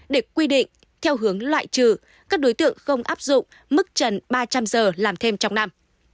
để quy định theo hướng loại trừ các đối tượng không áp dụng mức trần ba trăm linh giờ làm thêm trong năm